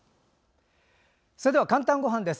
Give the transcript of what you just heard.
それでは「かんたんごはん」です。